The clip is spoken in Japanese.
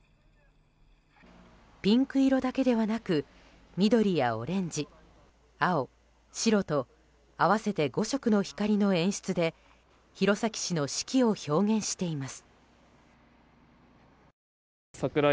ピンク色だけではなく緑やオレンジ、青、白と合わせて５色の光の演出で弘前市の四季を表現しています。